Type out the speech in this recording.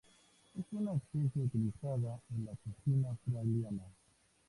Es una especia utilizada en la cocina australiana.